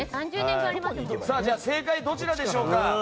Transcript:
正解はどちらでしょうか。